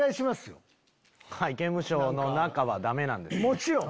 もちろん！